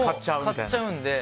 買っちゃうんで。